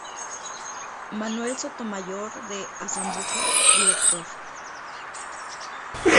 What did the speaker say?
Manuel Sotomayor de Azambuja, Director.